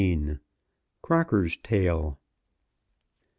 CROCKER'S TALE.